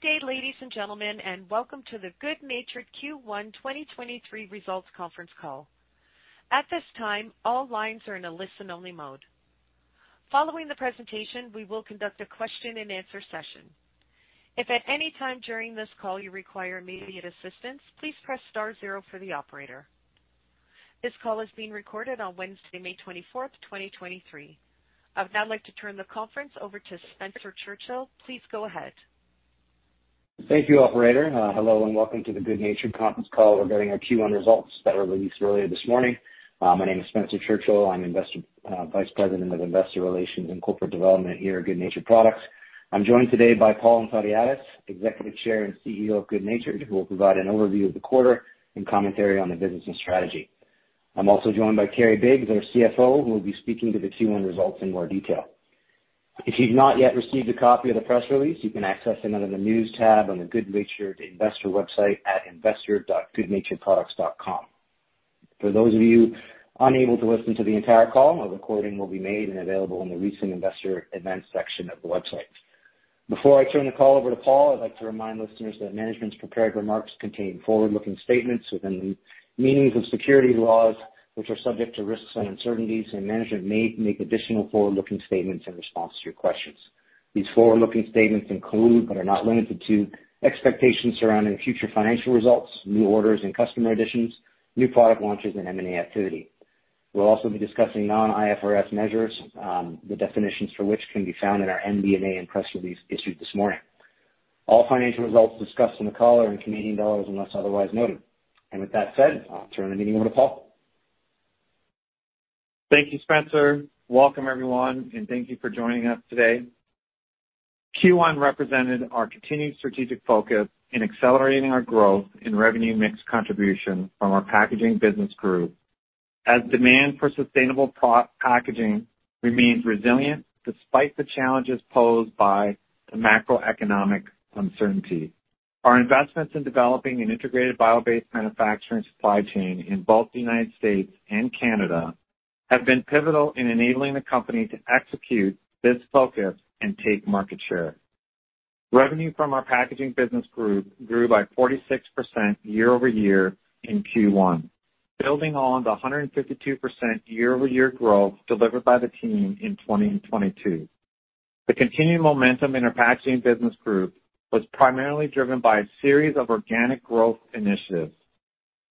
Good day, ladies and gentlemen, welcome to the good natured Q1 2023 results conference call. At this time, all lines are in a listen-only mode. Following the presentation, we will conduct a question-and-answer session. If at any time during this call you require immediate assistance, please press star zero for the operator. This call is being recorded on Wednesday, May 24, 2023. I would now like to turn the conference over to Spencer Churchill. Please go ahead. Thank you, operator. Hello and welcome to the good natured conference call regarding our Q1 results that were released earlier this morning. My name is Spencer Churchill. I'm vice president of Investor Relations and Corporate Development here at good natured Products. I'm joined today by Paul Antoniadis, Executive Chair and CEO of good natured, who will provide an overview of the quarter and commentary on the business and strategy. I'm also joined by Kerry Biggs, our CFO, who will be speaking to the Q1 results in more detail. If you've not yet received a copy of the press release, you can access it under the News tab on the good natured investor website at investor.goodnaturedproducts.com. For those of you unable to listen to the entire call, a recording will be made and available in the Recent Investor Events section of the website. Before I turn the call over to Paul, I'd like to remind listeners that management's prepared remarks contain forward-looking statements within the meanings of securities laws, which are subject to risks and uncertainties, and management may make additional forward-looking statements in response to your questions. These forward-looking statements include, but are not limited to, expectations surrounding future financial results, new orders and customer additions, new product launches, and M&A activity. We'll also be discussing non-IFRS measures, the definitions for which can be found in our MD&A and press release issued this morning. All financial results discussed on the call are in Canadian dollars unless otherwise noted. With that said, I'll turn the meeting over to Paul. Thank you, Spencer. Welcome everyone, and thank you for joining us today. Q1 represented our continued strategic focus in accelerating our growth in revenue mix contribution from our packaging business group as demand for sustainable packaging remains resilient despite the challenges posed by the macroeconomic uncertainty. Our investments in developing an integrated bio-based manufacturing supply chain in both the U.S. and Canada have been pivotal in enabling the company to execute this focus and take market share. Revenue from our packaging business group grew by 46% year-over-year in Q1, building on the 152% year-over-year growth delivered by the team in 2022. The continued momentum in our packaging business group was primarily driven by a series of organic growth initiatives.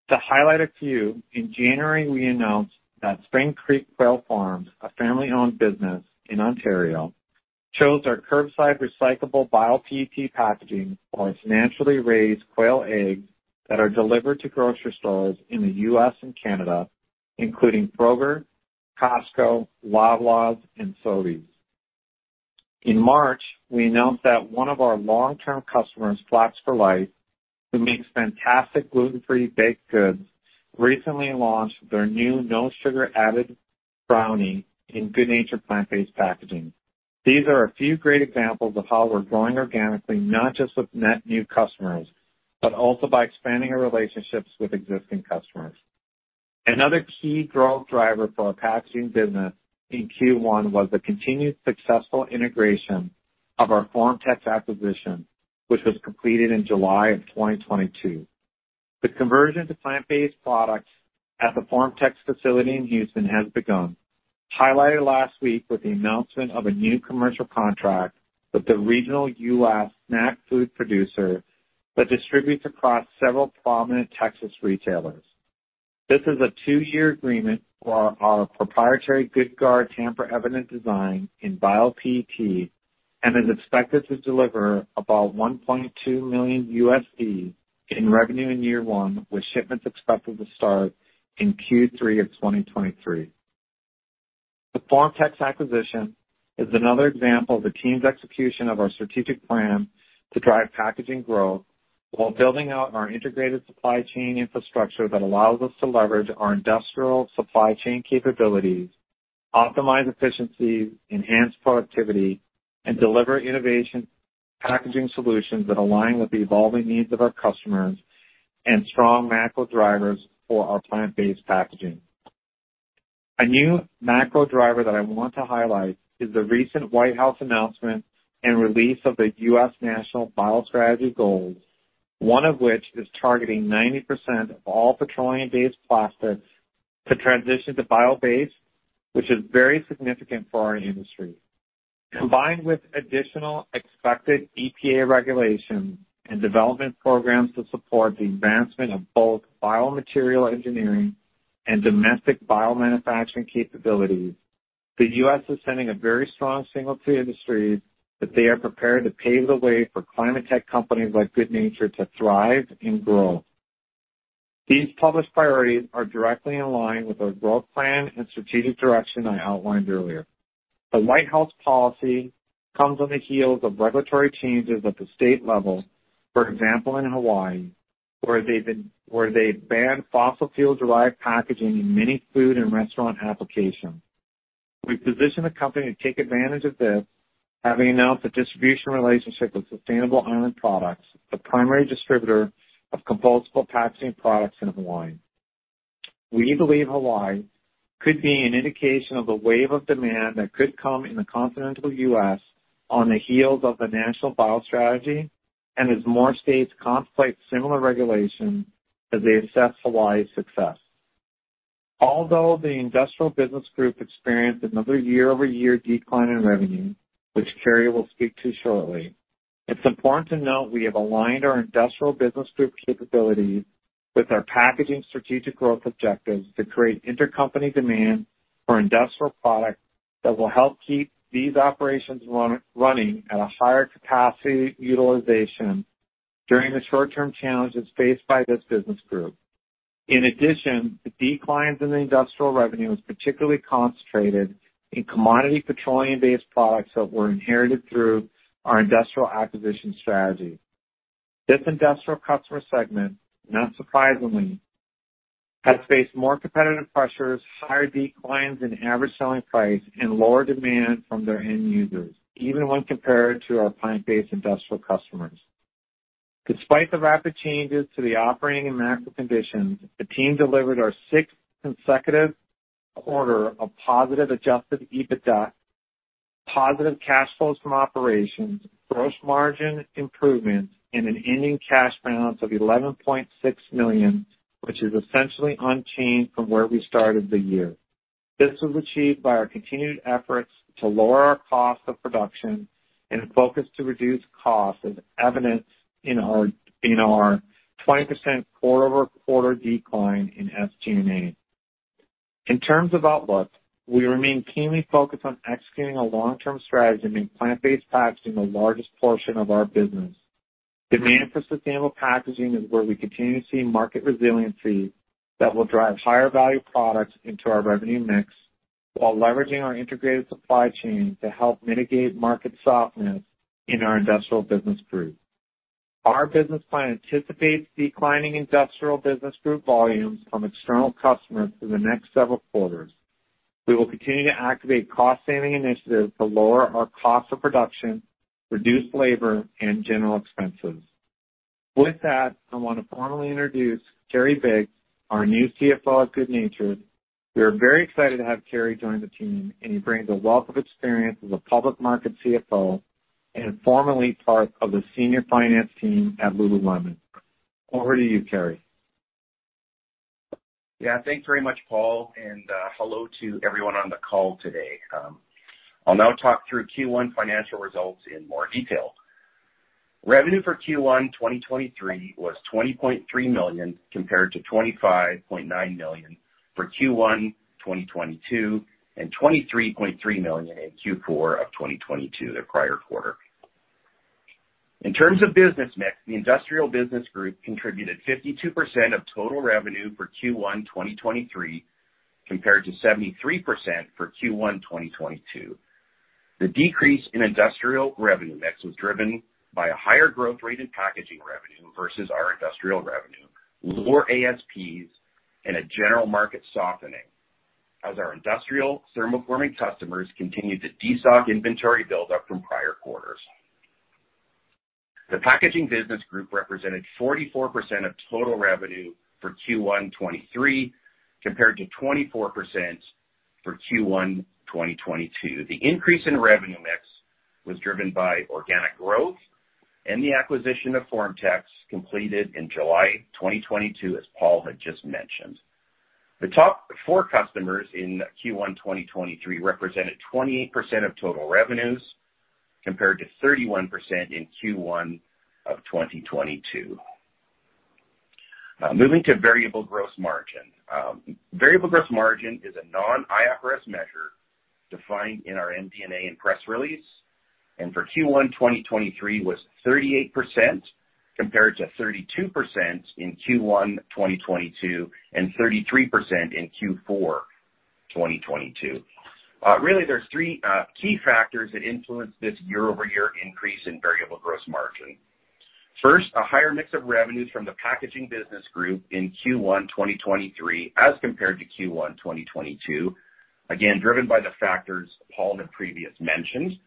To highlight a few, in January we announced that Spring Creek Quail Farms, a family-owned business in Ontario, chose our curbside recyclable Bio-PET packaging for its naturally raised quail eggs that are delivered to grocery stores in the U.S. and Canada, including Kroger, Costco, Loblaws, and Sobeys. In March, we announced that one of our long-term customers, Food For Life, who makes fantastic gluten-free baked goods, recently launched their new no sugar added brownie in good natured plant-based packaging. These are a few great examples of how we're growing organically, not just with net new customers, but also by expanding our relationships with existing customers. Another key growth driver for our packaging business in Q1 was the continued successful integration of our FormTex acquisition, which was completed in July of 2022. The conversion to plant-based products at the FormTex facility in Houston has begun, highlighted last week with the announcement of a new commercial contract with the regional U.S. snack food producer that distributes across several prominent Texas retailers. This is a two-year agreement for our proprietary GoodGuard tamper-evident design in Bio-PET and is expected to deliver about $1.2 million in revenue in year one, with shipments expected to start in Q3 of 2023. The FormTex acquisition is another example of the team's execution of our strategic plan to drive packaging growth while building out our integrated supply chain infrastructure that allows us to leverage our industrial supply chain capabilities, optimize efficiencies, enhance productivity, and deliver innovation packaging solutions that align with the evolving needs of our customers and strong macro drivers for our plant-based packaging. A new macro driver that I want to highlight is the recent White House announcement and release of the US National Bio Strategy Goals, one of which is targeting 90% of all petroleum-based plastics to transition to bio-based, which is very significant for our industry. Combined with additional expected EPA regulations and development programs to support the advancement of both biomaterial engineering and domestic biomanufacturing capabilities, the U.S. is sending a very strong signal to industries that they are prepared to pave the way for climate tech companies like good natured to thrive and grow. These published priorities are directly in line with our growth plan and strategic direction I outlined earlier. The White House policy comes on the heels of regulatory changes at the state level. For example, in Hawaii, where they banned fossil fuel-derived packaging in many food and restaurant applications. We positioned the company to take advantage of this, having announced a distribution relationship with Sustainable Island Products, the primary distributor of compostable packaging products in Hawaii. We believe Hawaii could be an indication of the wave of demand that could come in the continental U.S. on the heels of the National Bio Strategy and as more states contemplate similar regulations as they assess Hawaii's success. Although the industrial business group experienced another year-over-year decline in revenue, which Kerry will speak to shortly, it's important to note we have aligned our industrial business group capabilities with our packaging strategic growth objectives to create intercompany demand for industrial products that will help keep these operations running at a higher capacity utilization during the short-term challenges faced by this business group. The declines in the industrial revenue was particularly concentrated in commodity petroleum-based products that were inherited through our industrial acquisition strategy. This industrial customer segment, not surprisingly, has faced more competitive pressures, higher declines in average selling price, and lower demand from their end users, even when compared to our plant-based industrial customers. Despite the rapid changes to the operating and macro conditions, the team delivered our sixth consecutive quarter of positive Adjusted EBITDA, positive cash flows from operations, gross margin improvements, and an ending cash balance of 11.6 million, which is essentially unchanged from where we started the year. This was achieved by our continued efforts to lower our cost of production and a focus to reduce costs as evidenced in our 20% quarter-over-quarter decline in SG&A. In terms of outlook, we remain keenly focused on executing a long-term strategy to make plant-based packaging the largest portion of our business. Demand for sustainable packaging is where we continue to see market resiliency that will drive higher value products into our revenue mix while leveraging our integrated supply chain to help mitigate market softness in our industrial business group. Our business plan anticipates declining industrial business group volumes from external customers through the next several quarters. We will continue to activate cost saving initiatives to lower our cost of production, reduce labor and general expenses. With that, I want to formally introduce Kerry Biggs, our new CFO at good natured. We are very excited to have Kerry join the team, and he brings a wealth of experience as a public market CFO and formerly part of the senior finance team at lululemon. Over to you, Kerry. Thanks very much, Paul Antoniadis, and hello to everyone on the call today. I'll now talk through Q1 financial results in more detail. Revenue for Q1 2023 was 20.3 million compared to 25.9 million for Q1 2022 and 23.3 million in Q4 2022, the prior quarter. In terms of business mix, the industrial business group contributed 52% of total revenue for Q1 2023, compared to 73% for Q1 2022. The decrease in industrial revenue mix was driven by a higher growth rate in packaging revenue versus our industrial revenue, lower ASPs and a general market softening as our industrial thermoforming customers continued to de-stock inventory buildup from prior quarters. The packaging business group represented 44% of total revenue for Q1 2023, compared to 24% for Q1 2022. The increase in revenue mix was driven by organic growth and the acquisition of FormTex completed in July 2022, as Paul had just mentioned. The top four customers in Q1 2023 represented 28% of total revenues, compared to 31% in Q1 of 2022. Moving to variable gross margin. Variable gross margin is a non-IFRS measure defined in our MD&A and press release, and for Q1 2023 was 38% compared to 32% in Q1 2022 and 33% in Q4 2022. Really there's three key factors that influenced this year-over-year increase in variable gross margin. First, a higher mix of revenues from the packaging business group in Q1 2023 as compared to Q1 2022, again driven by the factors Paul had previous mentioned.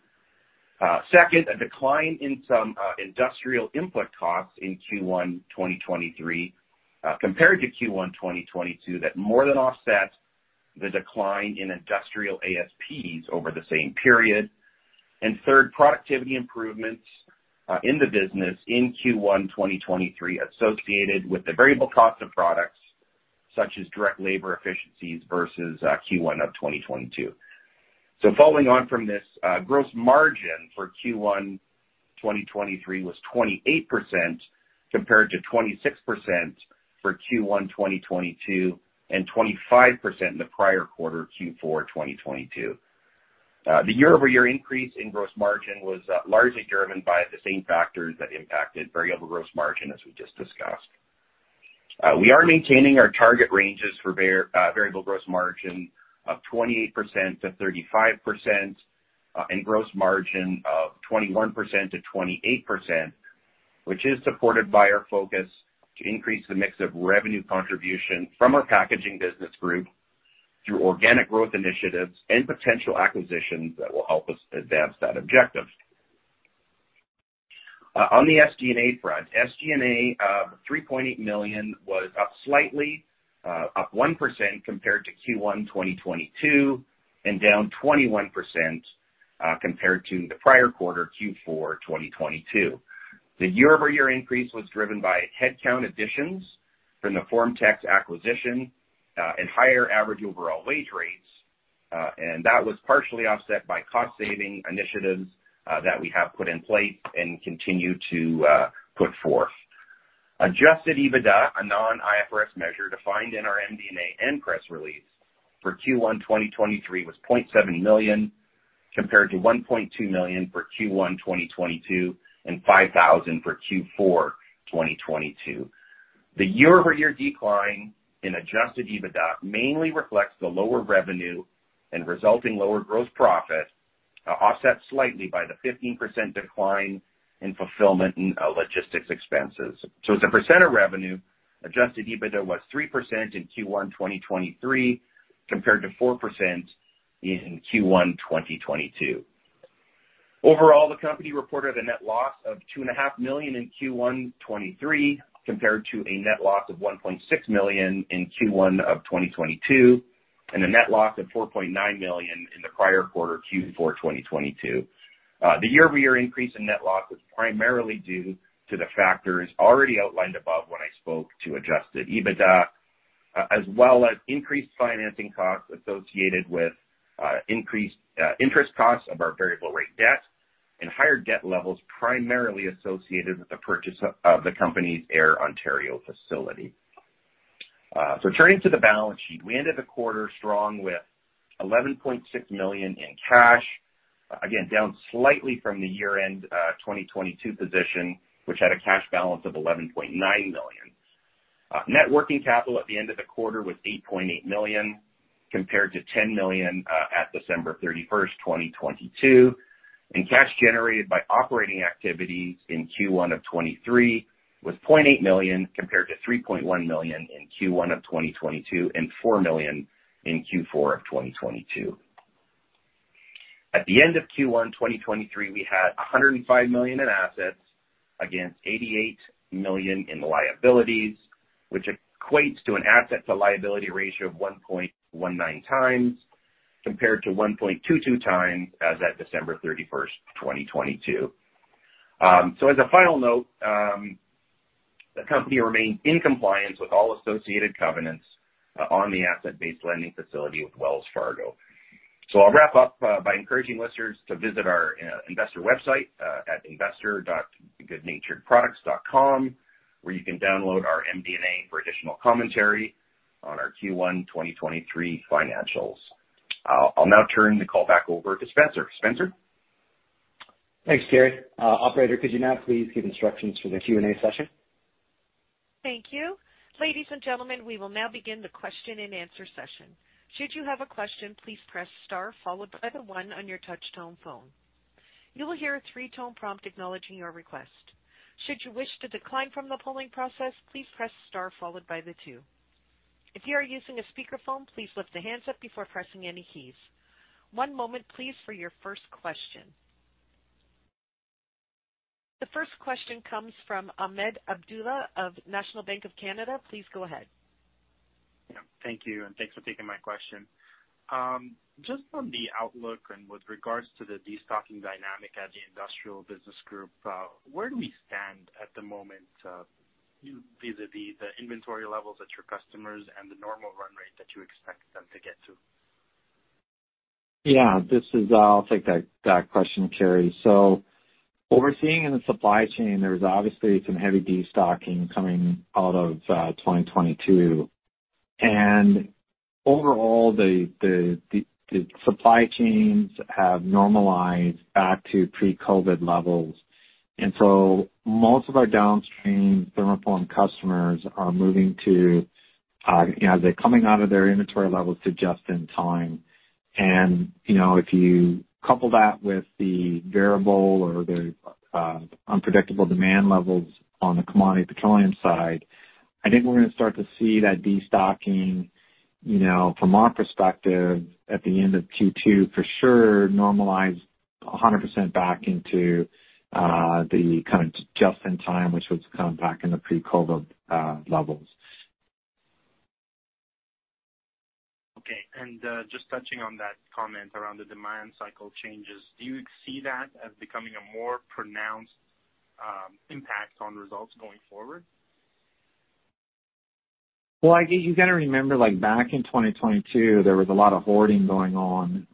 Second, a decline in some industrial input costs in Q1 2023, compared to Q1 2022 that more than offset the decline in industrial ASPs over the same period. Third, productivity improvements in the business in Q1 2023 associated with the variable cost of products such as direct labor efficiencies versus Q1 of 2022. Following on from this, gross margin for Q1 2023 was 28% compared to 26% for Q1 2022 and 25% in the prior quarter, Q4 2022. The year-over-year increase in gross margin was largely driven by the same factors that impacted Variable gross margin as we just discussed. We are maintaining our target ranges for variable gross margin of 28%-35%, and gross margin of 21%-28%, which is supported by our focus to increase the mix of revenue contribution from our packaging business group through organic growth initiatives and potential acquisitions that will help us advance that objective. On the SG&A front, SG&A, 3.8 million was up slightly, up 1% compared to Q1 2022 and down 21%, compared to the prior quarter, Q4 2022. The year-over-year increase was driven by headcount additions from the FormTex's acquisition, and higher average overall wage rates. That was partially offset by cost saving initiatives, that we have put in place and continue to put forth. Adjusted EBITDA, a non-IFRS measure defined in our MD&A and press release for Q1 2023 was 0.7 million, compared to 1.2 million for Q1 2022 and 5,000 for Q4 2022. The year-over-year decline in Adjusted EBITDA mainly reflects the lower revenue and resulting lower gross profit, offset slightly by the 15% decline in fulfillment and logistics expenses. As a percent of revenue, Adjusted EBITDA was 3% in Q1 2023 compared to 4% in Q1 2022. Overall, the company reported a net loss of two and a half million in Q1 2023, compared to a net loss of 1.6 million in Q1 of 2022, and a net loss of 4.9 million in the prior quarter, Q4 2022. The year-over-year increase in net loss was primarily due to the factors already outlined above when I spoke to Adjusted EBITDA, as well as increased financing costs associated with increased interest costs of our variable rate debt and higher debt levels, primarily associated with the purchase of the company's Ayr, Ontario facility. Turning to the balance sheet, we ended the quarter strong with 11.6 million in cash, again, down slightly from the year-end 2022 position, which had a cash balance of 11.9 million. Net working capital at the end of the quarter was 8.8 million, compared to 10 million at December 31, 2022. Cash generated by operating activities in Q1 of 2023 was 0.8 million, compared to 3.1 million in Q1 of 2022 and 4 million in Q4 of 2022. At the end of Q1 2023, we had 105 million in assets against 88 million in liabilities, which equates to an asset to liability ratio of 1.19 times compared to 1.22 times as at December 31, 2022. As a final note, the company remains in compliance with all associated covenants on the asset-based lending facility with Wells Fargo. I'll wrap up by encouraging listeners to visit our investor website at investor.goodnaturedproducts.com, where you can download our MD&A for additional commentary on our Q1 2023 financials. I'll now turn the call back over to Spencer. Spencer? Thanks, Kerry Biggs. Operator, could you now please give instructions for the Q&A session? Thank you. Ladies and gentlemen, we will now begin the question and answer session. Should you have a question, please press star followed by the one on your touchtone phone. You will hear a three-tone prompt acknowledging your request. Should you wish to decline from the polling process, please press star followed by the two. If you are using a speakerphone, please lift the handset up before pressing any keys. One moment please for your first question. The first question comes from Ahmed Abdullah of National Bank of Canada. Please go ahead. Yeah, thank you, and thanks for taking my question. Just on the outlook and with regards to the de-stocking dynamic at the industrial business group, where do we stand at the moment, via the inventory levels at your customers and the normal run rate that you expect them to get to? This is, I'll take that question, Kerry. What we're seeing in the supply chain, there's obviously some heavy de-stocking coming out of 2022. Overall, the supply chains have normalized back to pre-COVID levels. Most of our downstream thermoform customers are moving to, you know, they're coming out of their inventory levels to just in time. You know, if you couple that with the variable or the unpredictable demand levels on the commodity petroleum side, I think we're gonna start to see that de-stocking, you know, from our perspective at the end of Q2, for sure normalize 100% back into the kind of just in time, which was kind of back in the pre-COVID levels. Okay. just touching on that comment around the demand cycle changes, do you see that as becoming a more pronounced impact on results going forward? You gotta remember, like back in 2022, there was a lot of hoarding going on,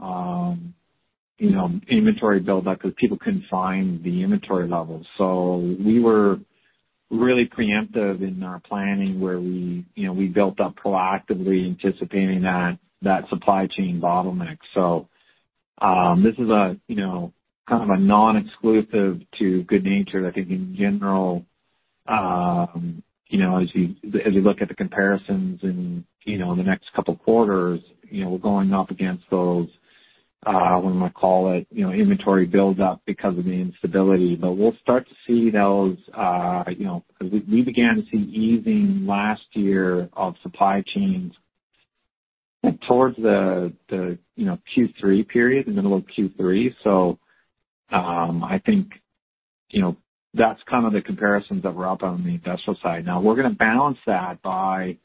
you know, inventory buildup 'cause people couldn't find the inventory levels. We were really preemptive in our planning where we, you know, we built up proactively anticipating that supply chain bottleneck. This is a, you know, kind of a non-exclusive to good natured. I think in general, you know, as you, as we look at the comparisons and, you know, in the next couple quarters, you know, we're going up against those, what I'm gonna call it, you know, inventory buildup because of the instability. We'll start to see those, you know, we began to see easing last year of supply chains Towards the, you know, Q3 period, the middle of Q3. I think, you know, that's kind of the comparisons that we're up on the industrial side. We're gonna balance that by,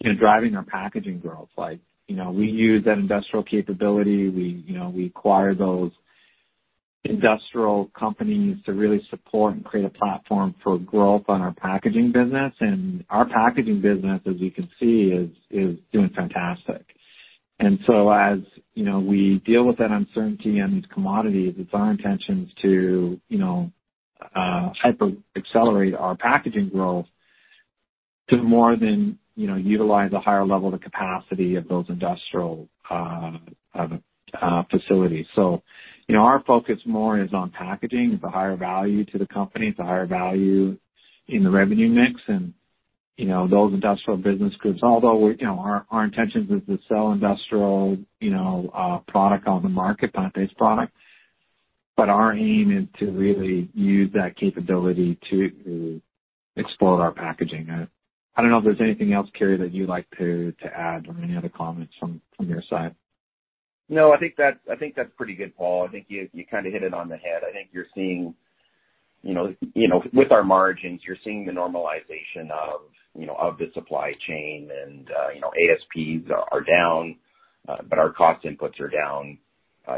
you know, driving our packaging growth. Like, you know, we use that industrial capability. We, you know, we acquire those industrial companies to really support and create a platform for growth on our packaging business. Our packaging business, as you can see, is doing fantastic. As, you know, we deal with that uncertainty on these commodities, it's our intentions to, you know, hyper accelerate our packaging growth to more than, you know, utilize a higher level of the capacity of those industrial facilities. You know, our focus more is on packaging. It's a higher value to the company. It's a higher value in the revenue mix. You know, those industrial business groups, although you know, our intentions is to sell industrial, you know, product on the market, plant-based product, but our aim is to really use that capability to explore our packaging. I don't know if there's anything else, Kerry, that you'd like to add or any other comments from your side. No, I think that's pretty good, Paul. I think you kinda hit it on the head. I think you're seeing, with our margins, you're seeing the normalization of the supply chain and ASPs are down, but our cost inputs are down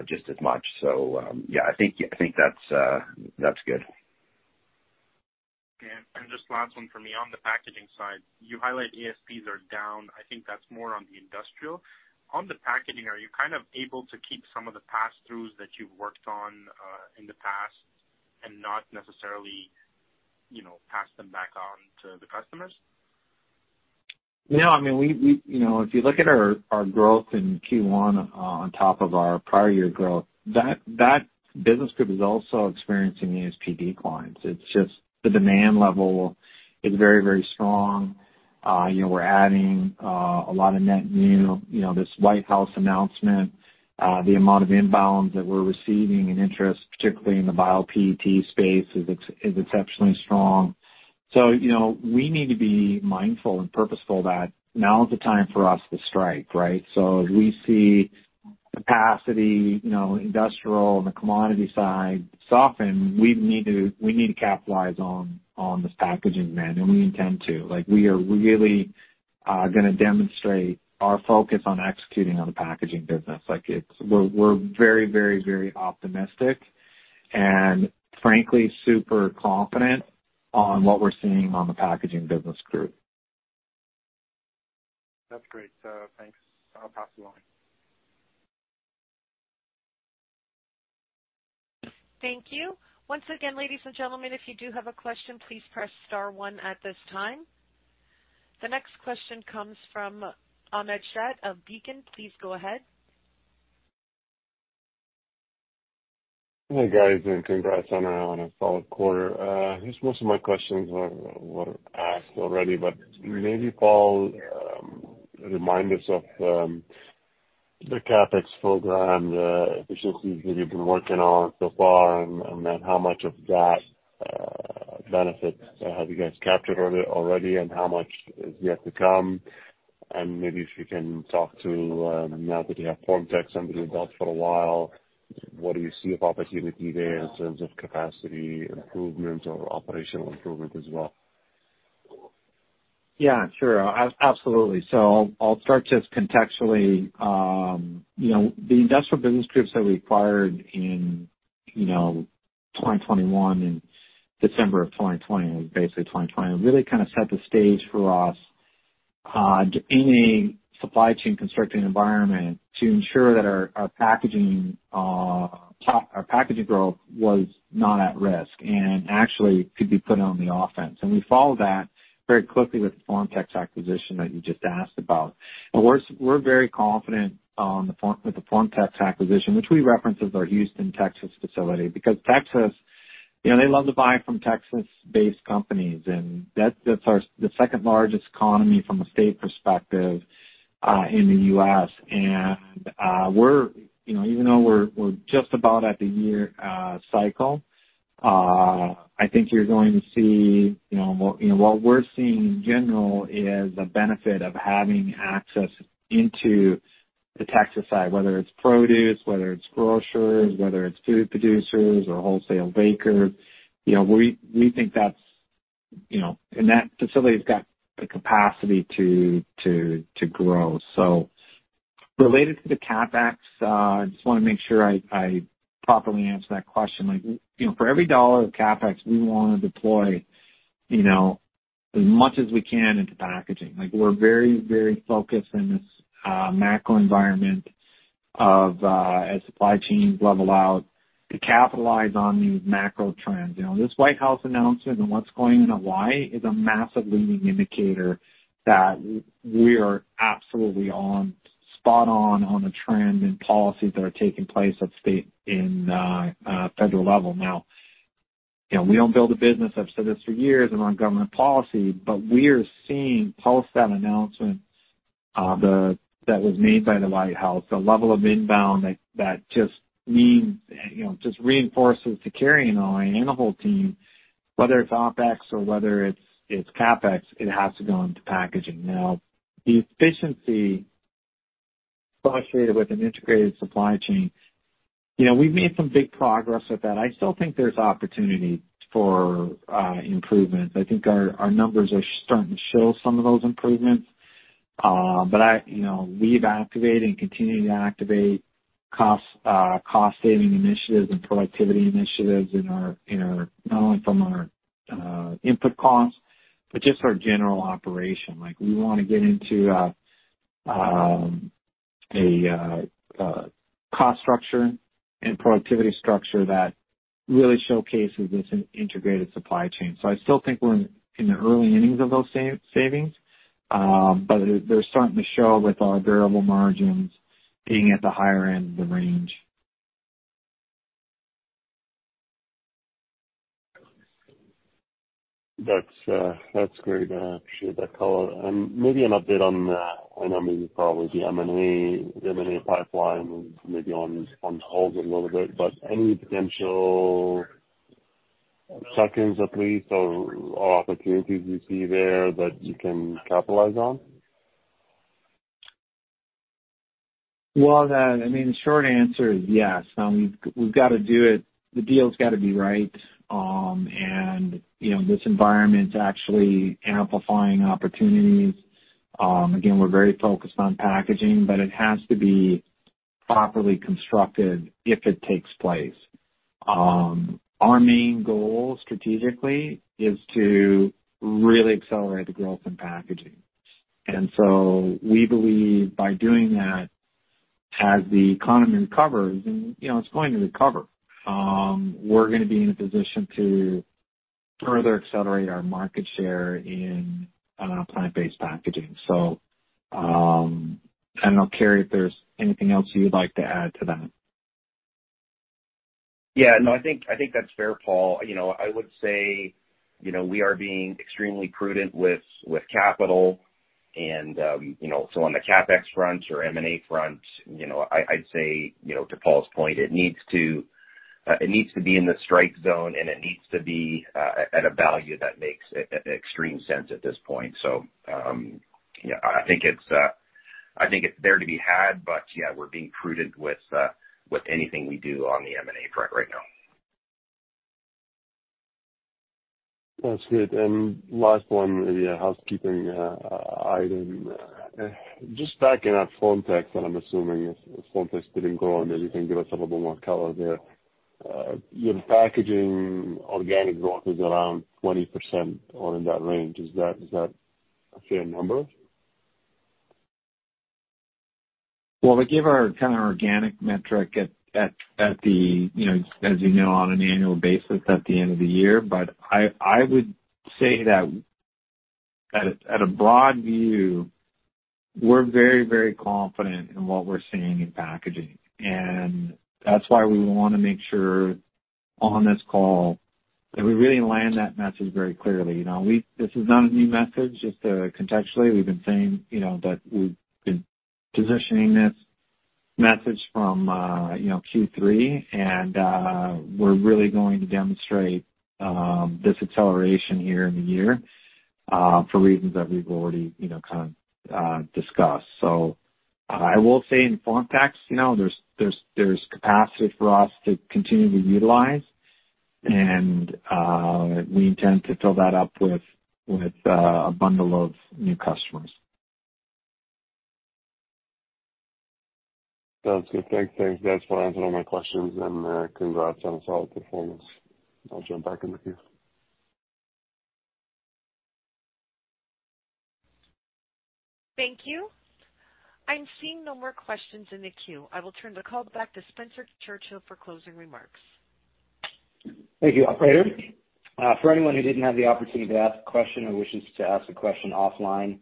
just as much. Yeah, I think that's good. Yeah. Just last one from me. On the packaging side, you highlight ASPs are down. I think that's more on the industrial. On the packaging, are you kind of able to keep some of the pass-throughs that you've worked on in the past and not necessarily, you know, pass them back on to the customers? No, I mean, we. You know, if you look at our growth in Q1, on top of our prior year growth, that business group is also experiencing ASP declines. It's just the demand level is very, very strong. You know, we're adding a lot of net new. You know, this White House announcement, the amount of inbounds that we're receiving and interest, particularly in the bio-PET space is exceptionally strong. You know, we need to be mindful and purposeful that now is the time for us to strike, right? As we see capacity, you know, industrial and the commodity side soften, we need to capitalize on this packaging demand, and we intend to. We are really gonna demonstrate our focus on executing on the packaging business. Like we're very, very, very optimistic and frankly super confident on what we're seeing on the packaging business group. That's great. Thanks. I'll pass the line. Thank you. Once again, ladies and gentlemen, if you do have a question, please press star one at this time. The next question comes from Ahmad Shaath of Beacon Securities. Please go ahead. Hey, guys, congrats on a solid quarter. I guess most of my questions were asked already, but maybe, Paul, remind us of the CapEx program, the efficiencies that you've been working on so far, and then how much of that benefit have you guys captured already, and how much is yet to come? Maybe if you can talk to now that you have FormTex under your belt for a while, what do you see of opportunity there in terms of capacity improvement or operational improvement as well? Yeah, sure. Absolutely. I'll start just contextually. You know, the industrial business groups that we acquired in, you know, 2021, in December of 2020, basically 2020, really kind of set the stage for us in a supply chain constrained environment to ensure that our packaging growth was not at risk and actually could be put on the offense. We followed that very closely with the FormTex acquisition that you just asked about. We're very confident with the FormTex acquisition, which we reference as our Houston, Texas facility. Because Texas, you know, they love to buy from Texas-based companies, and that's our, the second largest economy from a state perspective in the U.S. You know, even though we're just about at the year cycle, I think you're going to see, you know. You know what we're seeing in general is the benefit of having access into the Texas side, whether it's produce, whether it's grocers, whether it's food producers or wholesale bakers. You know, we think that's, you know. That facility's got the capacity to grow. Related to the CapEx, I just wanna make sure I properly answer that question. Like, you know, for every dollar of CapEx, we wanna deploy, you know, as much as we can into packaging. Like, we're very focused in this macro environment of as supply chains level out, to capitalize on these macro trends. You know, this White House announcement and what's going on in Hawaii is a massive leading indicator that we are absolutely on, spot on a trend in policies that are taking place at state and federal level now. You know, we don't build a business, I've said this for years, around government policy, but we are seeing post that announcement, that was made by the White House, the level of inbound that just means, you know, just reinforces to Kerry and I and the whole team. Whether it's OpEx or whether it's CapEx, it has to go into packaging. Now, the efficiency associated with an integrated supply chain, you know, we've made some big progress with that. I still think there's opportunity for improvements. I think our numbers are starting to show some of those improvements. I, you know, we've activated and continuing to activate cost saving initiatives and productivity initiatives. Not only from our input costs, but just our general operation. Like, we wanna get into a cost structure and productivity structure that really showcases this integrated supply chain. I still think we're in the early innings of those savings, but they're starting to show with our variable margins being at the higher end of the range. That's great. I appreciate that color. Maybe an update on, I know maybe probably the M&A pipeline maybe on hold a little bit, but any potential seconds at least or opportunities you see there that you can capitalize on? Well, I mean, the short answer is yes. We've gotta do it. The deal's gotta be right. You know, this environment's actually amplifying opportunities. Again, we're very focused on packaging. It has to be properly constructed if it takes place. Our main goal strategically is to really accelerate the growth in packaging. We believe by doing that, as the economy recovers and, you know, it's going to recover, we're gonna be in a position to further accelerate our market share in plant-based packaging. I don't know, Kerry, if there's anything else you would like to add to that. Yeah, no, I think, I think that's fair, Paul. You know, I would say, you know, we are being extremely prudent with capital and, you know, so on the CapEx front or M&A front, you know, I'd say, you know, to Paul's point, it needs to be in the strike zone, and it needs to be at a value that makes extreme sense at this point. Yeah, I think it's, I think it's there to be had. Yeah, we're being prudent with anything we do on the M&A front right now. That's good. Last one, maybe a housekeeping item. Just back in our FormTex, I'm assuming if FormTex didn't grow, maybe you can give us a little more color there. Your packaging organic growth is around 20% or in that range. Is that a fair number? Well, we give our kinda organic metric at the, you know, as you know, on an annual basis at the end of the year. I would say that at a, at a broad view, we're very, very confident in what we're seeing in packaging. That's why we wanna make sure, on this call, that we really land that message very clearly. You know, This is not a new message, just contextually. We've been saying, you know, that we've been positioning this message from, you know, Q3 and we're really going to demonstrate this acceleration here in the year for reasons that we've already, you know, kind of discussed. I will say in FormTex, you know, there's capacity for us to continue to utilize. We intend to fill that up with a bundle of new customers. Sounds good. Thanks. Thanks, guys, for answering all my questions and congrats on a solid performance. I'll jump back in the queue. Thank you. I'm seeing no more questions in the queue. I will turn the call back to Spencer Churchill for closing remarks. Thank you, operator. For anyone who didn't have the opportunity to ask a question or wishes to ask a question offline,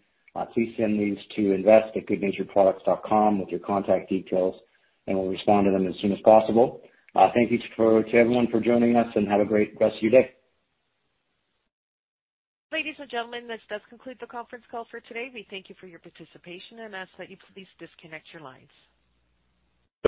please send these to invest at goodnaturedproducts.com with your contact details, and we'll respond to them as soon as possible. Thank you for, to everyone for joining us, and have a great rest of your day. Ladies and gentlemen, this does conclude the conference call for today. We thank you for your participation and ask that you please disconnect your lines.